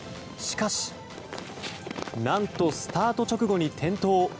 しかし、何とスタート直後に転倒。